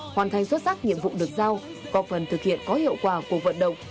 hoàn thành xuất sắc nhiệm vụ được giao có phần thực hiện có hiệu quả cuộc vận động